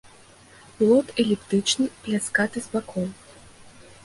Плод эліптычны, пляскаты з бакоў.